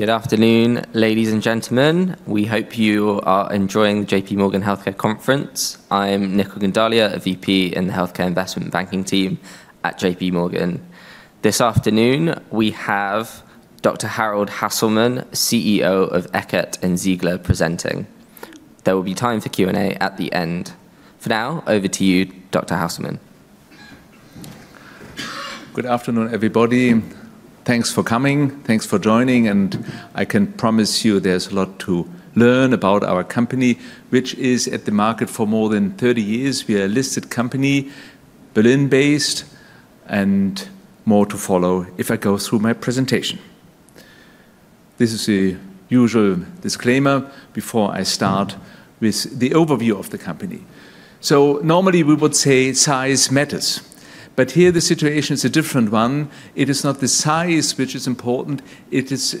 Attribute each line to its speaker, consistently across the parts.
Speaker 1: Good afternoon, ladies and gentlemen. We hope you are enjoying the J.P. Morgan Healthcare Conference. I'm Nicola Guindani, a VP in the Healthcare Investment Banking team at J.P. Morgan. This afternoon, we have Dr. Harald Hasselmann, CEO of Eckert & Ziegler, presenting. There will be time for Q&A at the end. For now, over to you, Dr. Hasselmann.
Speaker 2: Good afternoon, everybody. Thanks for coming. Thanks for joining, and I can promise you there's a lot to learn about our company, which is on the market for more than 30 years. We are a listed company, Berlin-based, and more to follow if I go through my presentation. This is the usual disclaimer before I start with the overview of the company. Normally we would say size matters, but here the situation is a different one. It is not the size which is important. It is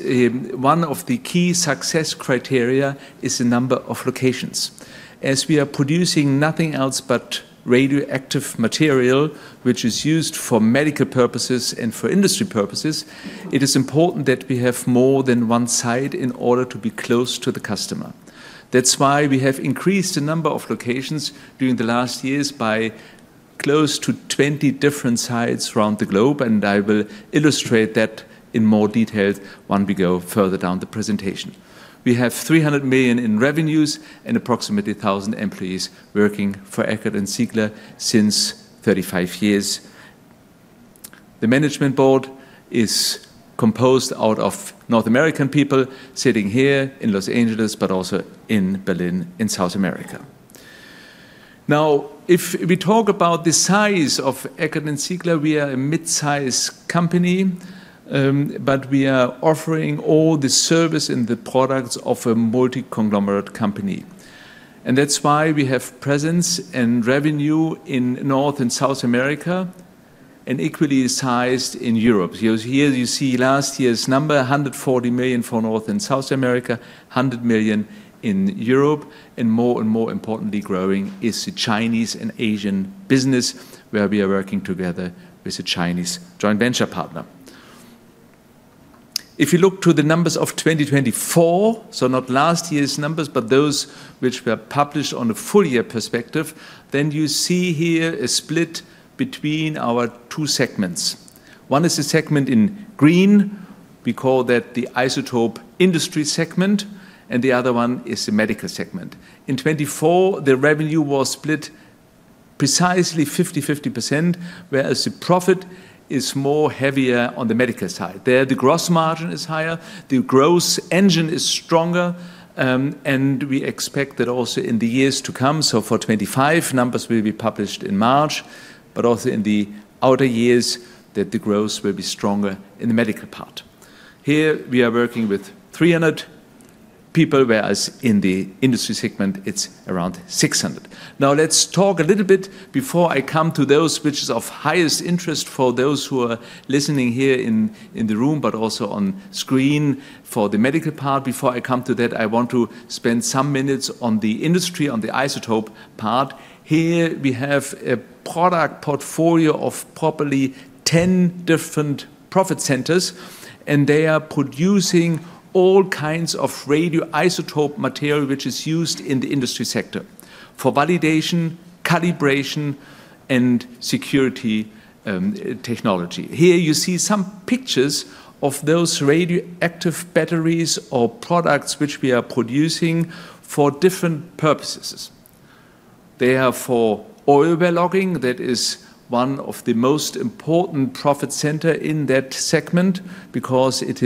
Speaker 2: one of the key success criteria is the number of locations. As we are producing nothing else but radioactive material, which is used for medical purposes and for industry purposes, it is important that we have more than one site in order to be close to the customer. That's why we have increased the number of locations during the last years by close to 20 different sites around the globe. And I will illustrate that in more detail when we go further down the presentation. We have 300 million EUR in revenues and approximately 1,000 employees working for Eckert & Ziegler since 35 years. The management board is composed out of North American people sitting here in Los Angeles, but also in Berlin and South America. Now, if we talk about the size of Eckert & Ziegler, we are a mid-size company, but we are offering all the service and the products of a multi-conglomerate company. And that's why we have presence and revenue in North and South America and equally sized in Europe. Here you see last year's number, 140 million for North and South America, 100 million in Europe, and more and more importantly growing is the Chinese and Asian business where we are working together with a Chinese joint venture partner. If you look to the numbers of 2024, so not last year's numbers, but those which were published on a full year perspective, then you see here a split between our two segments. One is the segment in green. We call that the isotope industry segment, and the other one is the medical segment. In 2024, the revenue was split precisely 50-50%, whereas the profit is more heavier on the medical side. There, the gross margin is higher. The gross margin is stronger, and we expect that also in the years to come. So for 2025, numbers will be published in March, but also in the outer years that the growth will be stronger in the medical part. Here we are working with 300 people, whereas in the industry segment it's around 600. Now let's talk a little bit before I come to those which is of highest interest for those who are listening here in the room, but also on screen for the medical part. Before I come to that, I want to spend some minutes on the industry, on the isotope part. Here we have a product portfolio of probably 10 different profit centers, and they are producing all kinds of radioisotope material which is used in the industry sector for validation, calibration, and security technology. Here you see some pictures of those radioactive batteries or products which we are producing for different purposes. They are for oil well logging. That is one of the most important profit centers in that segment because it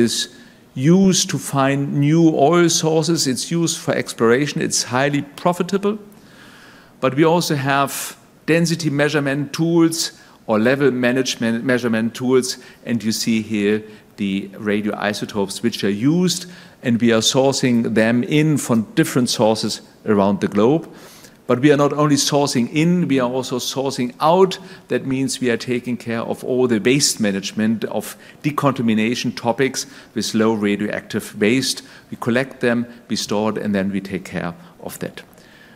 Speaker 2: is used to find new oil sources. It's used for exploration. It's highly profitable, but we also have density measurement tools or level management measurement tools, and you see here the radioisotopes which are used, and we are sourcing them in from different sources around the globe, but we are not only sourcing in, we are also sourcing out. That means we are taking care of all the waste management of decontamination topics with low radioactive waste. We collect them, we store it, and then we take care of that.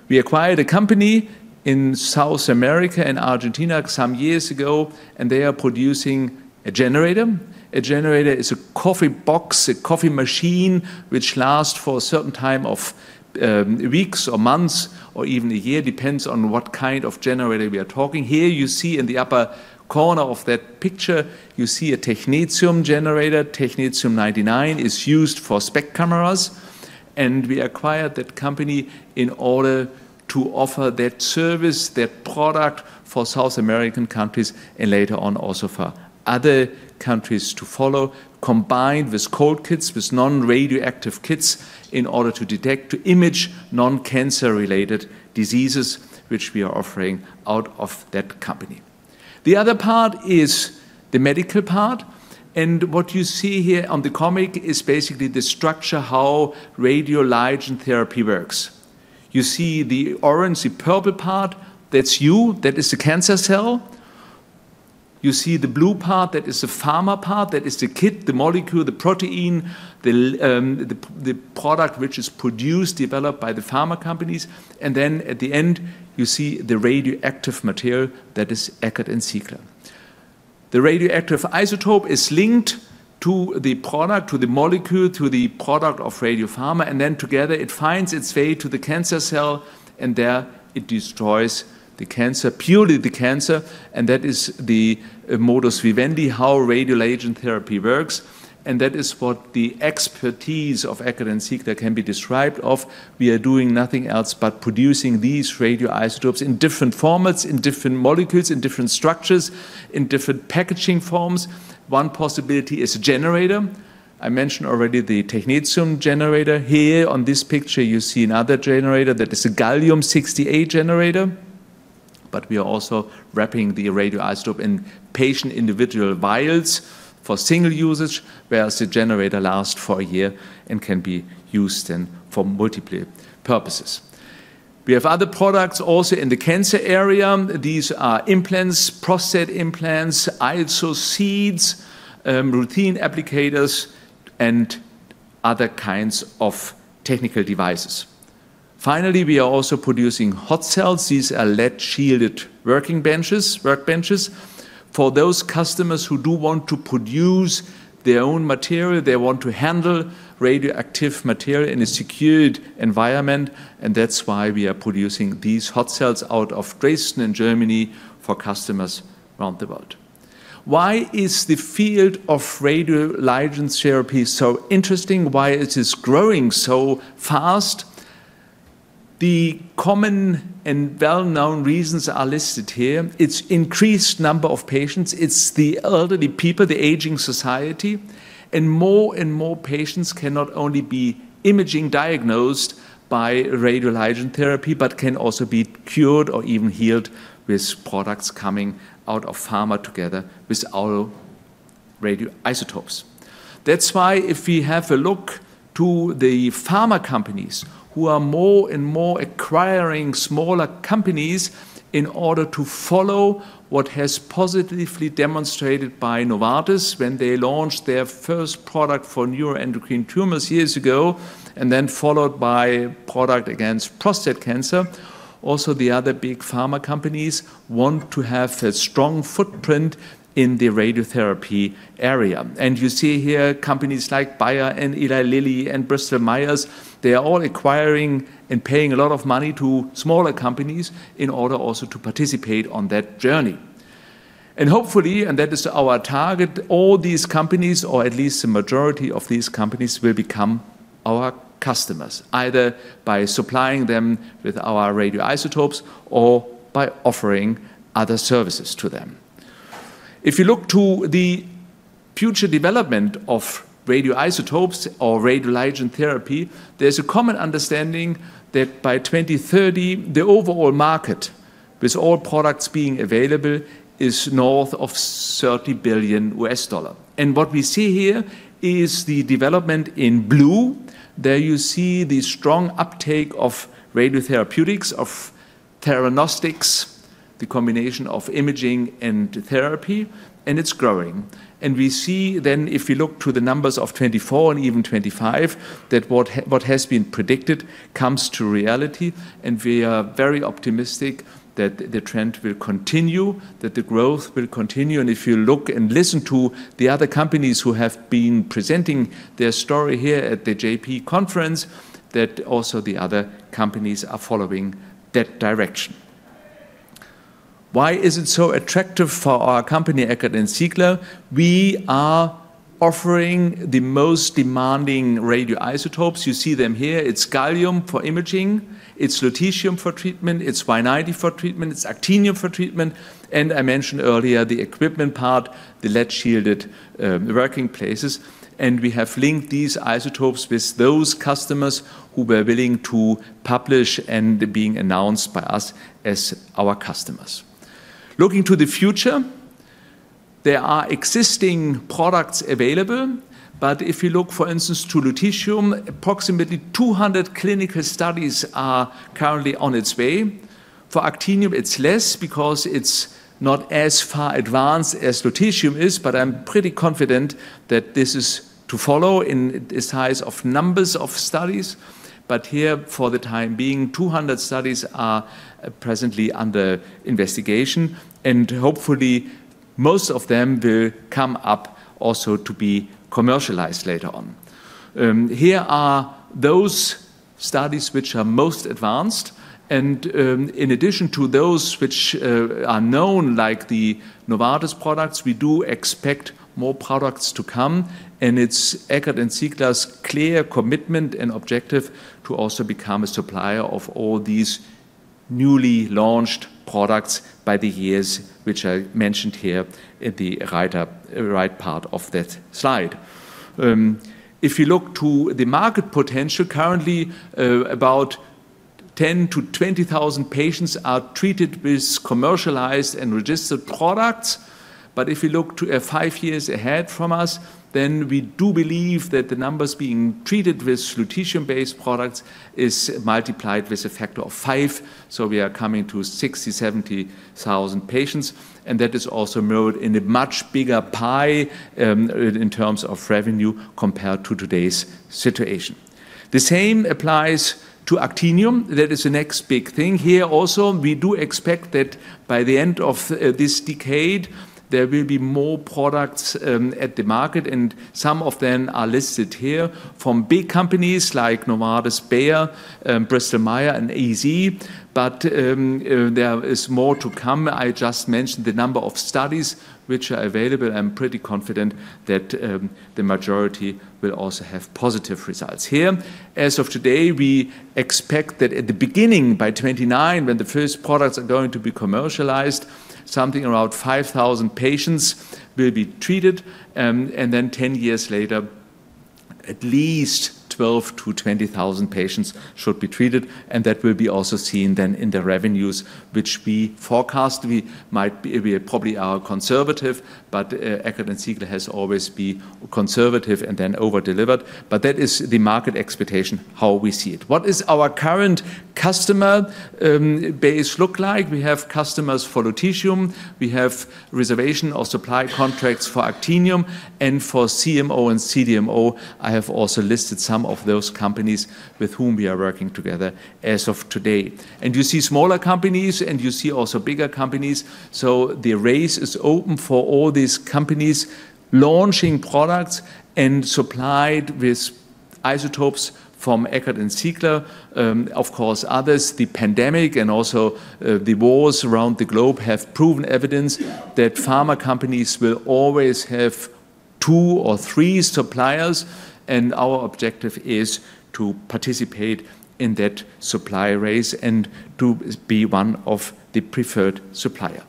Speaker 2: We acquired a company in South America and Argentina some years ago, and they are producing a generator. A generator is a coffee box, a coffee machine which lasts for a certain time of weeks or months or even a year. Depends on what kind of generator we are talking. Here you see in the upper corner of that picture. You see a Technetium-99 generator. Technetium-99 is used for SPECT cameras. We acquired that company in order to offer that service, that product for South American countries and later on also for other countries to follow, combined with cold kits, with non-radioactive kits in order to detect, to image non-cancer related diseases, which we are offering out of that company. The other part is the medical part. What you see here on the comic is basically the structure, how radioligand therapy works. You see the orange, the purple part. That's you. That is the cancer cell. You see the blue part, that is the pharma part. That is the kit, the molecule, the protein, the product which is produced, developed by the pharma companies. And then at the end, you see the radioactive material that is Eckert & Ziegler. The radioactive isotope is linked to the product, to the molecule, to the product of radiopharma. And then together it finds its way to the cancer cell, and there it destroys the cancer, purely the cancer. And that is the modus vivendi, how radioligand therapy works. And that is what the expertise of Eckert & Ziegler can be described of. We are doing nothing else but producing these radioisotopes in different formats, in different molecules, in different structures, in different packaging forms. One possibility is a generator. I mentioned already the technetium generator. Here on this picture, you see another generator. That is a Gallium-68 generator. but we are also wrapping the radioisotope in patient individual vials for single usage, whereas the generator lasts for a year and can be used then for multiple purposes. We have other products also in the cancer area. These are implants, prostate implants, IsoSeed, Ruthenium applicators, and other kinds of technical devices. Finally, we are also producing hot cells. These are lead shielded working benches, workbenches for those customers who do want to produce their own material. They want to handle radioactive material in a secured environment. and that's why we are producing these hot cells out of Dresden in Germany for customers around the world. Why is the field of radioligand therapy so interesting? Why is this growing so fast? The common and well-known reasons are listed here. It's increased number of patients. It's the elderly people, the aging society. And more and more patients can not only be imaging diagnosed by radioligand therapy, but can also be cured or even healed with products coming out of pharma together with our radioisotopes. That's why if we have a look to the pharma companies who are more and more acquiring smaller companies in order to follow what has positively demonstrated by Novartis when they launched their first product for neuroendocrine tumors years ago, and then followed by product against prostate cancer. Also, the other big pharma companies want to have a strong footprint in the radiotherapy area. And you see here companies like Bayer and Eli Lilly and Bristol Myers, they are all acquiring and paying a lot of money to smaller companies in order also to participate on that journey. Hopefully, and that is our target, all these companies, or at least the majority of these companies, will become our customers, either by supplying them with our radioisotopes or by offering other services to them. If you look to the future development of radioisotopes or radioligand therapy, there's a common understanding that by 2030, the overall market with all products being available is north of $30 billion. What we see here is the development in blue. There you see the strong uptake of radiotherapeutics, of theranostics, the combination of imaging and therapy, and it's growing. We see then if we look to the numbers of 2024 and even 2025, that what has been predicted comes to reality. We are very optimistic that the trend will continue, that the growth will continue. If you look and listen to the other companies who have been presenting their story here at the J.P. Conference, that also the other companies are following that direction. Why is it so attractive for our company Eckert & Ziegler? We are offering the most demanding radioisotopes. You see them here. It's gallium for imaging. It's lutetium for treatment. It's Yttrium-90 for treatment. It's actinium for treatment. And I mentioned earlier the equipment part, the lead shielded working places. And we have linked these isotopes with those customers who were willing to publish and being announced by us as our customers. Looking to the future, there are existing products available. But if you look, for instance, to lutetium, approximately 200 clinical studies are currently on its way. For actinium, it's less because it's not as far advanced as lutetium is, but I'm pretty confident that this is to follow in the size of numbers of studies, but here for the time being, 200 studies are presently under investigation, and hopefully most of them will come up also to be commercialized later on. Here are those studies which are most advanced, and in addition to those which are known like the Novartis products, we do expect more products to come, and it's Eckert & Ziegler's clear commitment and objective to also become a supplier of all these newly launched products by the years which I mentioned here in the right part of that slide. If you look to the market potential currently, about 10,000-20,000 patients are treated with commercialized and registered products. But if you look to five years ahead from us, then we do believe that the numbers being treated with lutetium-based products is multiplied with a factor of five. So we are coming to 60,000, 70,000 patients. And that is also mirrored in a much bigger pie in terms of revenue compared to today's situation. The same applies to actinium. That is the next big thing here also. We do expect that by the end of this decade, there will be more products at the market, and some of them are listed here from big companies like Novartis, Bayer, Bristol Myers, and AZ. But there is more to come. I just mentioned the number of studies which are available. I'm pretty confident that the majority will also have positive results here. As of today, we expect that at the beginning, by 2029, when the first products are going to be commercialized, something around 5,000 patients will be treated. And then 10 years later, at least 12,000-20,000 patients should be treated. And that will be also seen then in the revenues which we forecast. We might be probably overly conservative, but Eckert & Ziegler has always been conservative and then overdelivered. But that is the market expectation, how we see it. What is our current customer base look like? We have customers for lutetium. We have reservation or supply contracts for actinium. And for CMO and CDMO, I have also listed some of those companies with whom we are working together as of today. And you see smaller companies, and you see also bigger companies. So the race is open for all these companies launching products and supplied with isotopes from Eckert & Ziegler. Of course, others, the pandemic and also the wars around the globe have proven evidence that pharma companies will always have two or three suppliers. And our objective is to participate in that supply race and to be one of the preferred suppliers.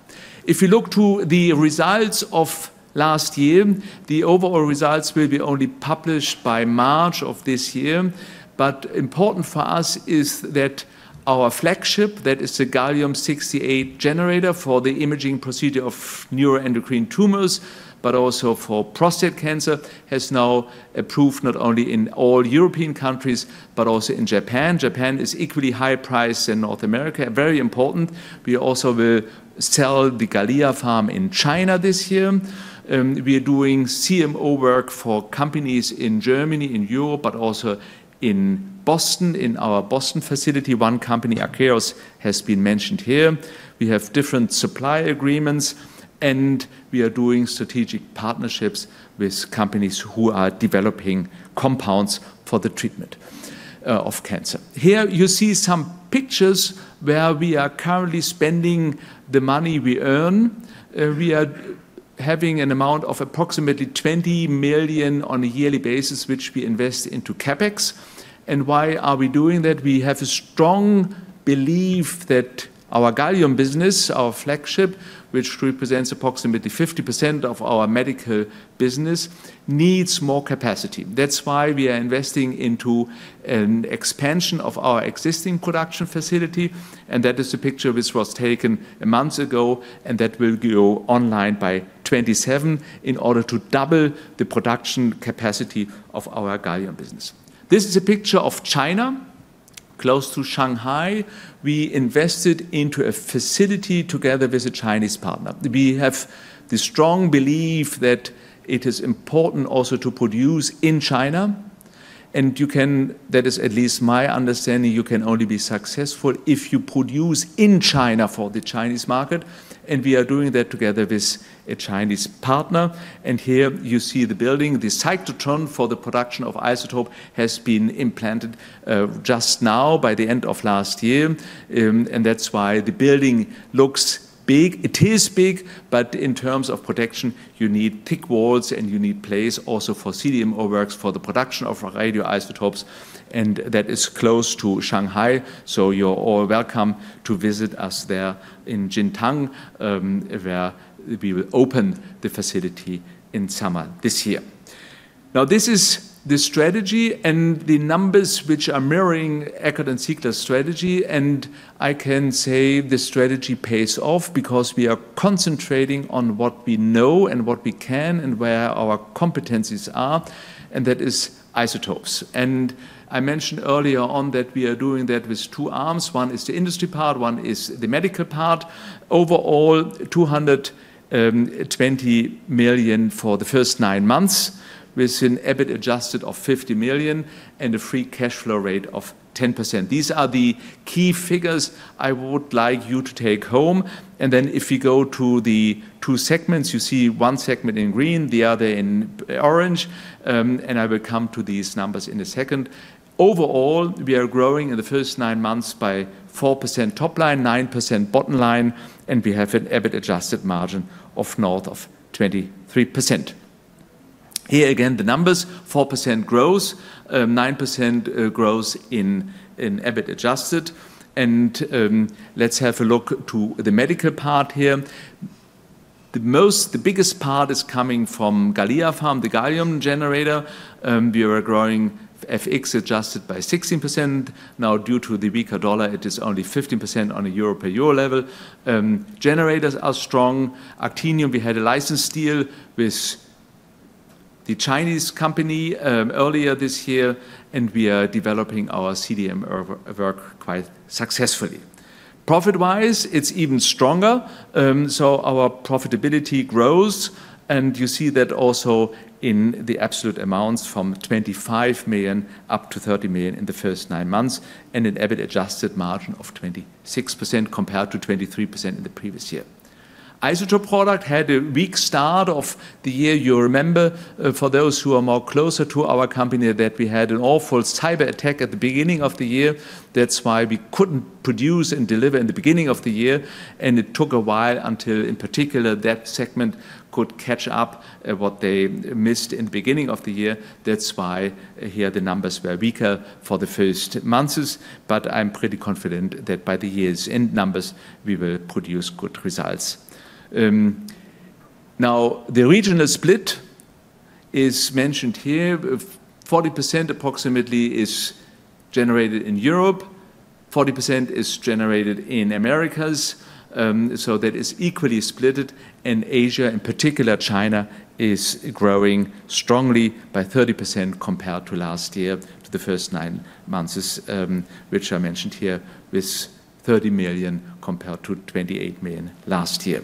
Speaker 2: If you look to the results of last year, the overall results will be only published by March of this year. But important for us is that our flagship, that is the Gallium-68 generator for the imaging procedure of neuroendocrine tumors, but also for prostate cancer, has now approved not only in all European countries, but also in Japan. Japan is equally high priced than North America. Very important. We also will sell the GalliaPharm in China this year. We are doing CMO work for companies in Germany, in Europe, but also in Boston, in our Boston facility. One company, Ariceum, has been mentioned here. We have different supply agreements, and we are doing strategic partnerships with companies who are developing compounds for the treatment of cancer. Here you see some pictures where we are currently spending the money we earn. We are having approximately 20 million on a yearly basis, which we invest into CapEx. Why are we doing that? We have a strong belief that our gallium business, our flagship, which represents approximately 50% of our medical business, needs more capacity. That's why we are investing into an expansion of our existing production facility. That is a picture which was taken a month ago, and that will go online by 2027 in order to double the production capacity of our gallium business. This is a picture of China, close to Shanghai. We invested into a facility together with a Chinese partner. We have the strong belief that it is important also to produce in China, and you can, that is at least my understanding, you can only be successful if you produce in China for the Chinese market, and we are doing that together with a Chinese partner, and here you see the building. The cyclotron for the production of isotope has been installed just now by the end of last year, and that's why the building looks big. It is big, but in terms of protection, you need thick walls and you need place also for hot cells works for the production of radioisotopes, and that is close to Shanghai, so you're all welcome to visit us there in Jintan, where we will open the facility in summer this year. Now, this is the strategy and the numbers which are mirroring Eckert & Ziegler strategy, and I can say the strategy pays off because we are concentrating on what we know and what we can and where our competencies are, and that is isotopes, and I mentioned earlier on that we are doing that with two arms. One is the industry part. One is the medical part. Overall, 220 million EUR for the first nine months with an EBIT adjusted of 50 million EUR and a free cash flow rate of 10%. These are the key figures I would like you to take home, and then if we go to the two segments, you see one segment in green, the other in orange, and I will come to these numbers in a second. Overall, we are growing in the first nine months by 4% top line, 9% bottom line. We have an EBIT adjusted margin of north of 23%. Here again, the numbers, 4% growth, 9% growth in EBIT adjusted. Let's have a look at the medical part here. The biggest part is coming from GalliaPharm, the gallium generator. We are growing FX adjusted by 16%. Now, due to the weaker dollar, it is only 15% on a euro per year level. Generators are strong. Actinium, we had a license deal with the Chinese company earlier this year. We are developing our CDMO work quite successfully. Profit-wise, it's even stronger. Our profitability grows. You see that also in the absolute amounts from 25 million to 30 million in the first nine months and an EBIT adjusted margin of 26% compared to 23% in the previous year. Isotope product had a weak start of the year. You remember for those who are more closer to our company that we had an awful cyber attack at the beginning of the year. That's why we couldn't produce and deliver in the beginning of the year, and it took a while until in particular that segment could catch up what they missed in the beginning of the year. That's why here the numbers were weaker for the first months. But I'm pretty confident that by the year's end numbers, we will produce good results. Now, the regional split is mentioned here. 40% approximately is generated in Europe. 40% is generated in Americas, so that is equally split, and Asia, in particular China, is growing strongly by 30% compared to last year to the first nine months, which I mentioned here with 30 million EUR compared to 28 million EUR last year.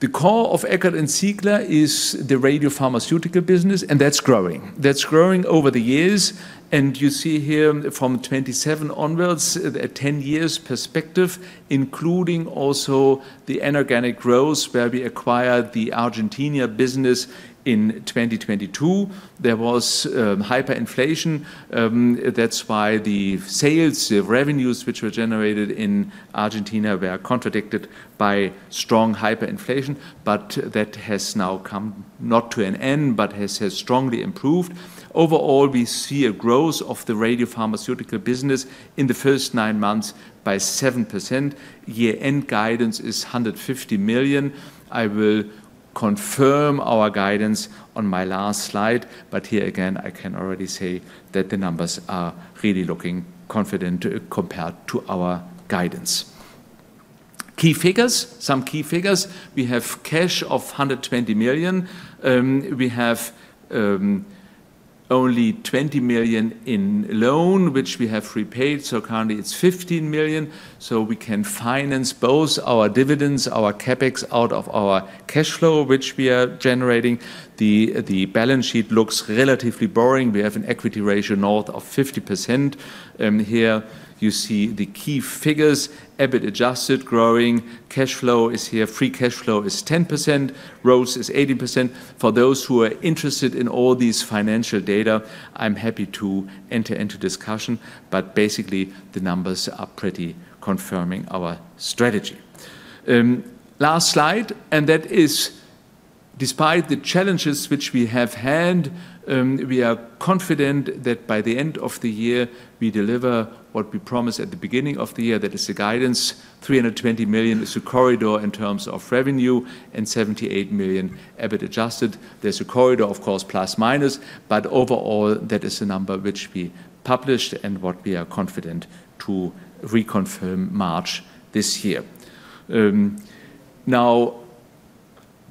Speaker 2: The core of Eckert & Ziegler is the radiopharmaceutical business, and that's growing. That's growing over the years, and you see here from 2027 onwards, a 10 years perspective, including also the inorganic growth where we acquired the Argentina business in 2022. There was hyperinflation. That's why the sales, the revenues which were generated in Argentina were contradicted by strong hyperinflation. But that has now come not to an end, but has strongly improved. Overall, we see a growth of the radiopharmaceutical business in the first nine months by 7%. Year-end guidance is 150 million. I will confirm our guidance on my last slide. But here again, I can already say that the numbers are really looking confident compared to our guidance. Key figures, some key figures. We have cash of 120 million. We have only 20 million in loan, which we have repaid. So currently it's 15 million. So we can finance both our dividends, our CapEx out of our cash flow, which we are generating. The balance sheet looks relatively boring. We have an equity ratio north of 50%. Here you see the key figures. EBIT adjusted growing. Cash flow is here. Free cash flow is 10%. Growth is 80%. For those who are interested in all these financial data, I'm happy to enter into discussion. But basically, the numbers are pretty confirming our strategy. Last slide. And that is, despite the challenges which we have had, we are confident that by the end of the year, we deliver what we promised at the beginning of the year. That is the guidance. 320 million is a corridor in terms of revenue and 78 million EBIT adjusted. There's a corridor, of course, plus minus. But overall, that is a number which we published and what we are confident to reconfirm March this year. Now,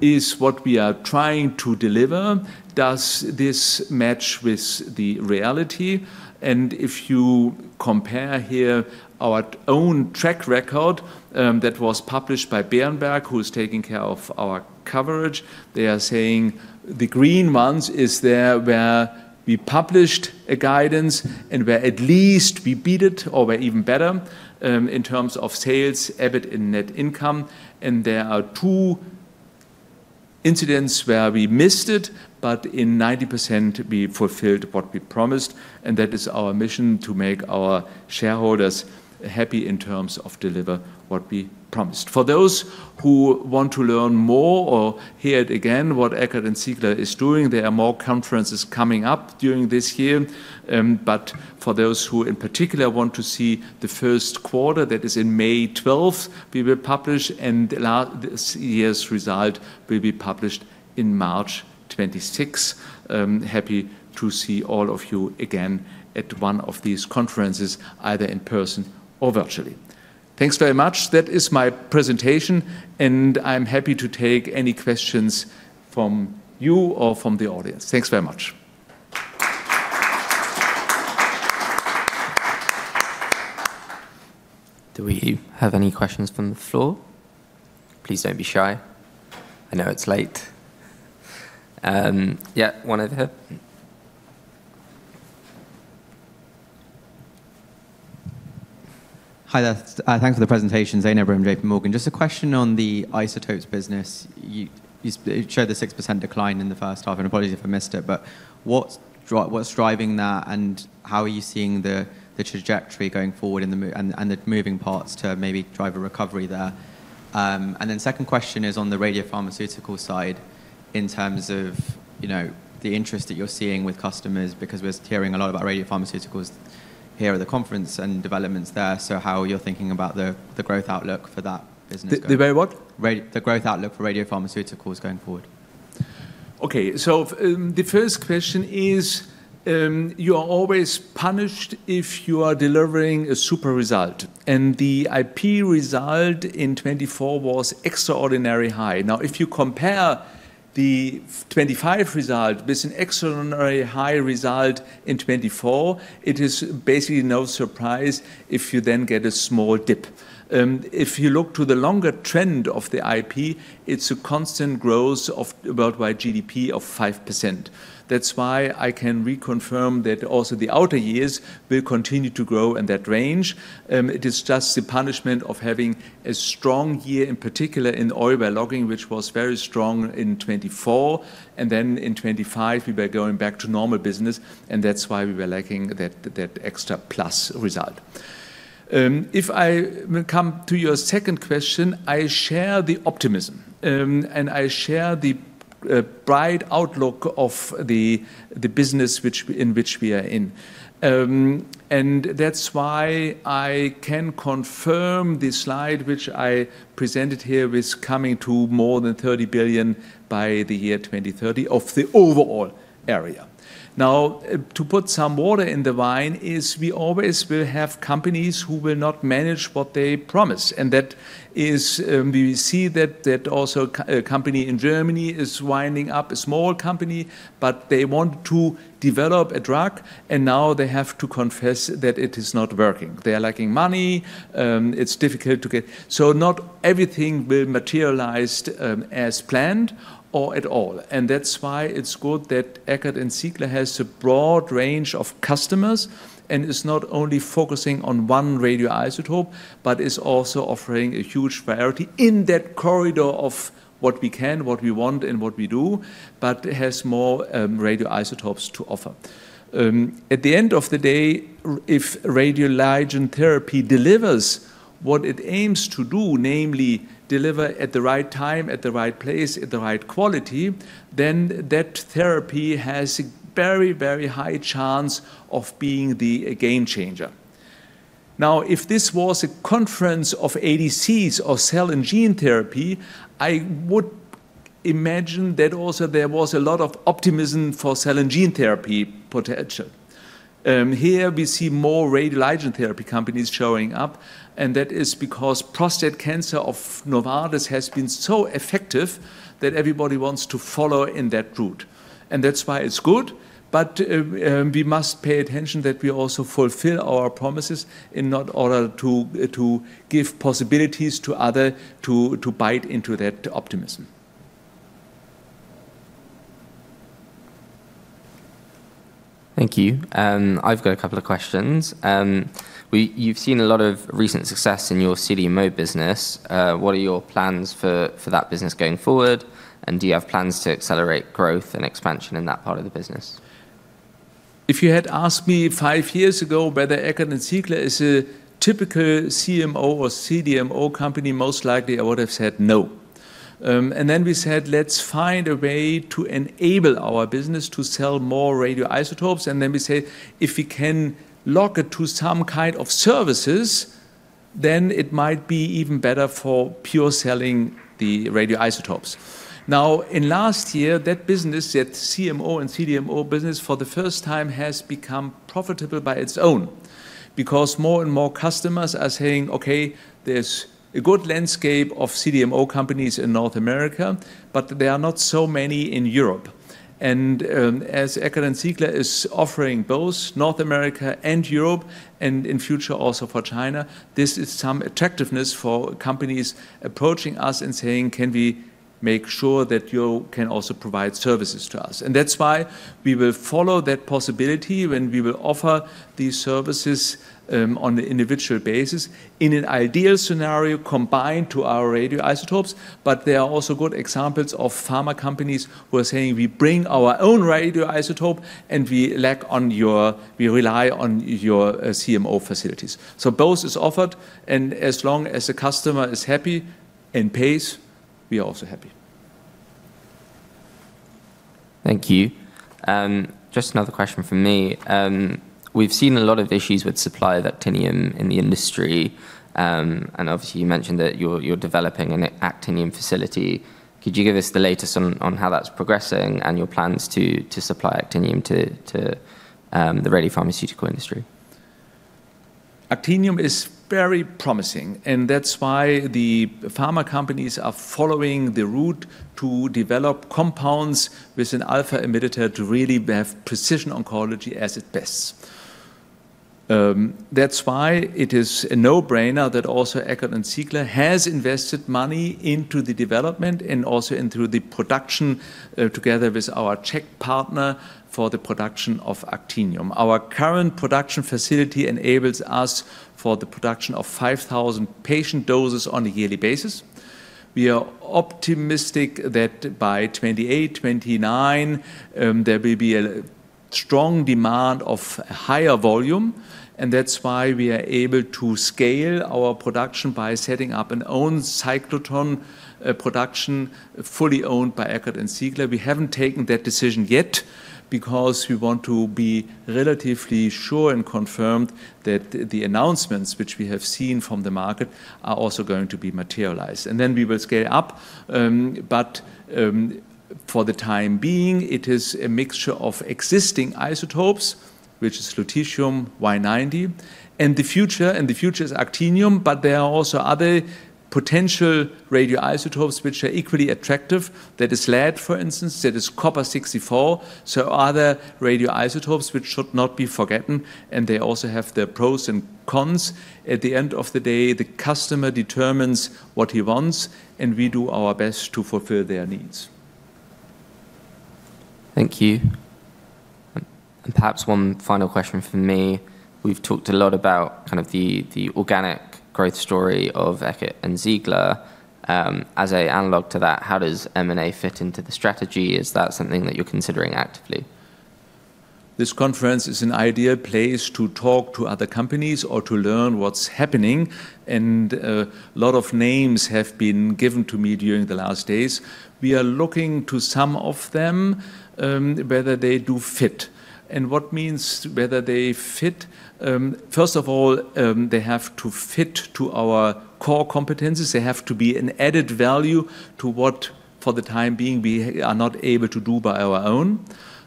Speaker 2: is what we are trying to deliver, does this match with the reality? And if you compare here our own track record, that was published by Berenberg, who is taking care of our coverage, they are saying the green ones is there where we published a guidance and where at least we beat it or were even better in terms of sales, EBIT, and net income. And there are two incidents where we missed it, but in 90%, we fulfilled what we promised. And that is our mission to make our shareholders happy in terms of deliver what we promised. For those who want to learn more or hear it again, what Eckert & Ziegler is doing, there are more conferences coming up during this year. But for those who in particular want to see the first quarter, that is in May 12th, we will publish. And this year's result will be published in March 26. Happy to see all of you again at one of these conferences, either in person or virtually. Thanks very much. That is my presentation. And I'm happy to take any questions from you or from the audience. Thanks very much. Do we have any questions from the floor? Please don't be shy. I know it's late.
Speaker 3: Yeah, one over here. Hi, there. Thanks for the presentation. Zain Ebrahim, J.P. Morgan. Just a question on the isotopes business. You showed the 6% decline in the first half. And apologies if I missed it. But what's driving that? And how are you seeing the trajectory going forward and the moving parts to maybe drive a recovery there? And then second question is on the radiopharmaceutical side in terms of the interest that you're seeing with customers, because we're hearing a lot about radiopharmaceuticals here at the conference and developments there. So how are you thinking about the growth outlook for that business?
Speaker 2: The very what?
Speaker 3: The growth outlook for radiopharmaceuticals going forward.
Speaker 2: Okay. So the first question is, you are always punished if you are delivering a super result. And the IP result in 2024 was extraordinarily high. Now, if you compare the 2025 result with an extraordinarily high result in 2024, it is basically no surprise if you then get a small dip. If you look to the longer trend of the IP, it's a constant growth of worldwide GDP of 5%. That's why I can reconfirm that also the outer years will continue to grow in that range. It is just the punishment of having a strong year, in particular in oil well logging, which was very strong in 2024. And then in 2025, we were going back to normal business. And that's why we were lacking that extra plus result. If I come to your second question, I share the optimism. And I share the bright outlook of the business in which we are in. And that's why I can confirm the slide which I presented here with coming to more than 30 billion by the year 2030 of the overall area. Now, to put some water in the wine is we always will have companies who will not manage what they promise. And that is we see that also a company in Germany is winding up. A small company, but they want to develop a drug. And now they have to confess that it is not working. They are lacking money. It's difficult to get. So not everything will materialize as planned or at all. That's why it's good that Eckert & Ziegler has a broad range of customers and is not only focusing on one radioisotope, but is also offering a huge priority in that corridor of what we can, what we want, and what we do, but has more radioisotopes to offer. At the end of the day, if radioligand therapy delivers what it aims to do, namely deliver at the right time, at the right place, at the right quality, then that therapy has a very, very high chance of being the game changer. Now, if this was a conference of ADCs or cell and gene therapy, I would imagine that also there was a lot of optimism for cell and gene therapy potential. Here we see more radioligand therapy companies showing up. That is because prostate cancer of Novartis has been so effective that everybody wants to follow in that route. That's why it's good. We must pay attention that we also fulfill our promises in order to give possibilities to others to bite into that optimism.
Speaker 3: Thank you. I've got a couple of questions. You've seen a lot of recent success in your CDMO business. What are your plans for that business going forward? And do you have plans to accelerate growth and expansion in that part of the business?
Speaker 2: If you had asked me five years ago whether Eckert & Ziegler is a typical CMO or CDMO company, most likely I would have said no, and then we said, let's find a way to enable our business to sell more radioisotopes, and then we said, if we can lock it to some kind of services, then it might be even better for pure selling the radioisotopes. Now, in last year, that business, that CMO and CDMO business for the first time has become profitable by its own because more and more customers are saying, okay, there's a good landscape of CDMO companies in North America, but there are not so many in Europe. And as Eckert & Ziegler is offering both North America and Europe and in future also for China, this is some attractiveness for companies approaching us and saying, can we make sure that you can also provide services to us? And that's why we will follow that possibility when we will offer these services on an individual basis in an ideal scenario combined to our radioisotopes. But there are also good examples of pharma companies who are saying, we bring our own radioisotope and we rely on your CMO facilities. So both is offered. And as long as the customer is happy and pays, we are also happy. Thank you. Just another question from me. We've seen a lot of issues with supply of Actinium in the industry, and obviously, you mentioned that you're developing an Actinium facility. Could you give us the latest on how that's progressing and your plans to supply Actinium to the radiopharmaceutical industry? Actinium is very promising. That's why the pharma companies are following the route to develop compounds with an alpha emitter to really have precision oncology at its best. That's why it is a no-brainer that also Eckert & Ziegler has invested money into the development and also into the production together with our Czech partner for the production of actinium. Our current production facility enables us for the production of 5,000 patient doses on a yearly basis. We are optimistic that by 2028, 2029, there will be a strong demand of higher volume. That's why we are able to scale our production by setting up an own cyclotron production fully owned by Eckert & Ziegler. We haven't taken that decision yet because we want to be relatively sure and confirmed that the announcements which we have seen from the market are also going to be materialized. And then we will scale up. But for the time being, it is a mixture of existing isotopes, which is lutetium Y90. And the future is actinium, but there are also other potential radioisotopes which are equally attractive. That is lead, for instance. That is Copper-64. So other radioisotopes which should not be forgotten. And they also have their pros and cons. At the end of the day, the customer determines what he wants. And we do our best to fulfill their needs.
Speaker 3: Thank you. And perhaps one final question from me. We've talked a lot about kind of the organic growth story of Eckert & Ziegler. As an analogue to that, how does M&A fit into the strategy? Is that something that you're considering actively?
Speaker 2: This conference is an ideal place to talk to other companies or to learn what's happening. And a lot of names have been given to me during the last days. We are looking to some of them whether they do fit. And what means whether they fit? First of all, they have to fit to our core competencies. They have to be an added value to what, for the time being, we are not able to do by our own.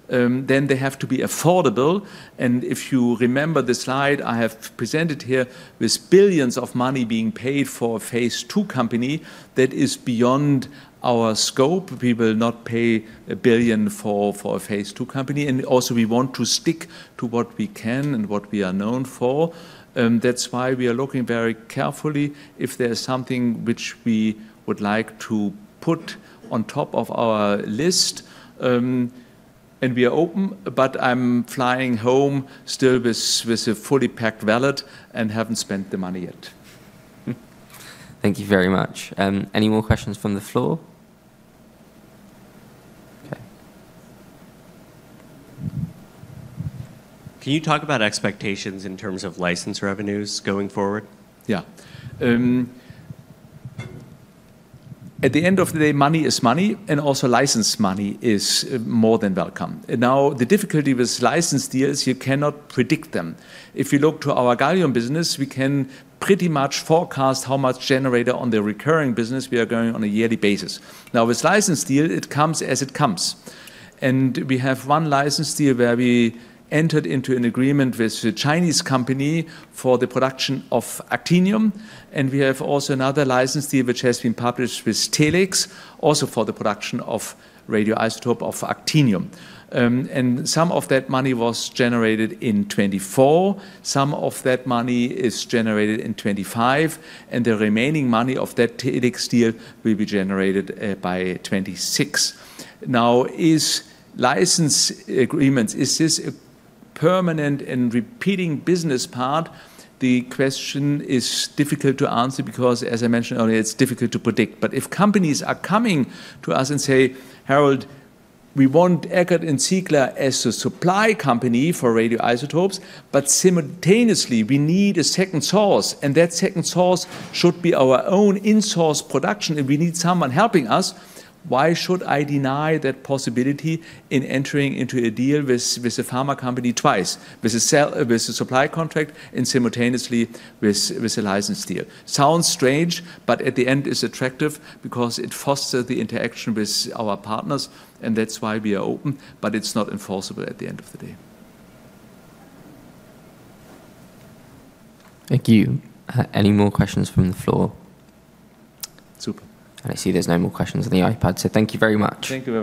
Speaker 2: Then they have to be affordable. And if you remember the slide I have presented here with billions of money being paid for a phase two company that is beyond our scope, we will not pay a billion for a phase two company. And also, we want to stick to what we can and what we are known for. That's why we are looking very carefully if there is something which we would like to put on top of our list. And we are open. But I'm flying home still with a fully packed wallet and haven't spent the money yet. Thank you very much. Any more questions from the floor? Okay. Can you talk about expectations in terms of license revenues going forward? Yeah. At the end of the day, money is money. And also license money is more than welcome. Now, the difficulty with license deals, you cannot predict them. If you look to our gallium business, we can pretty much forecast how much generator on the recurring business we are going on a yearly basis. Now, with license deal, it comes as it comes. And we have one license deal where we entered into an agreement with a Chinese company for the production of actinium. And we have also another license deal which has been published with Telix also for the production of radioisotope of actinium. And some of that money was generated in 2024. Some of that money is generated in 2025. And the remaining money of that Telix deal will be generated by 2026. Now, is license agreements, is this a permanent and repeating business part? The question is difficult to answer because, as I mentioned earlier, it's difficult to predict. But if companies are coming to us and say, Harald, we want Eckert & Ziegler as a supply company for radioisotopes, but simultaneously we need a second source. And that second source should be our own in-source production. And we need someone helping us. Why should I deny that possibility in entering into a deal with a pharma company twice, with a supply contract and simultaneously with a license deal? Sounds strange, but at the end, it's attractive because it fosters the interaction with our partners. And that's why we are open. But it's not enforceable at the end of the day. Thank you. Any more questions from the floor? Super. I see there's no more questions on the iPad. Thank you very much. Thank you.